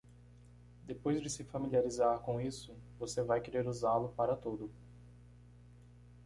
Depois de se familiarizar com isso, você vai querer usá-lo para tudo.